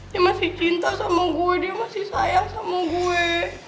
dia masih cinta sama gue dia masih sayang sama gue